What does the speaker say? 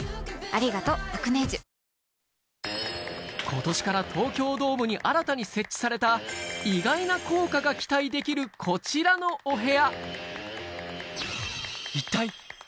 ことしから東京ドームに新たに設置された意外な効果が期待できる、こちらのお部屋。